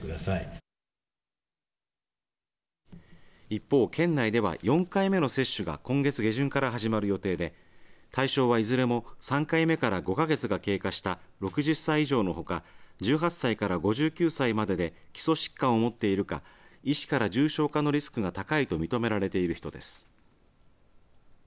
一方、県内では４回目の接種が今月下旬から始まる予定で対象はいずれも３回目から５か月が経過した６０歳以上のほか１８歳から５９歳までで基礎疾患を持っているか医師から重症化のリスクが高いと認められている人です。